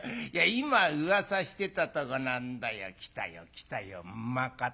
今うわさしてたとこなんだよ。来たよ来たよ馬方が。